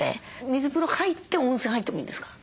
水風呂入って温泉入ってもいいんですか？